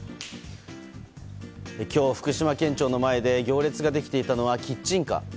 今日、福島県庁の前で行列ができていたのはキッチンカー。